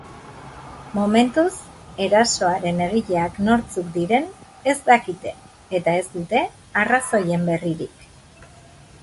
Momentuz erasoaren egileak nortzuk diren ez dakite eta ez dute arrazoien berririk.